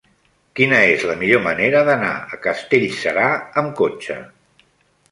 Quina és la millor manera d'anar a Castellserà amb cotxe?